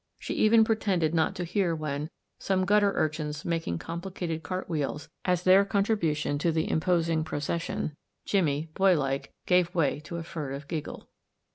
She even pretended not to hear when, some gutter urchins making com plicated cartwheels as their contribution to the imposing procession, Jim, boy like, gave way to a furtive giggle.